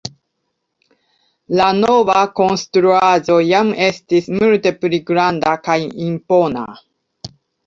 La nova konstruaĵo jam estis multe pli granda kaj impona.